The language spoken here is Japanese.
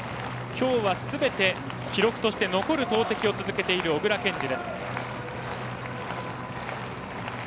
きょうはすべて記録として残る投てきを続けている小椋健司。